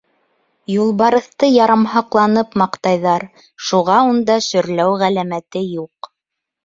Юлбарыҫты ярамһаҡланып маҡтайҙар, шуға унда шөрләү ғәләмәте юҡ.